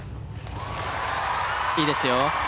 いいですよ。